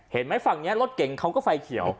เห็นไหมฝั่งนี้รถเก่งเขาก็ไฟเขียว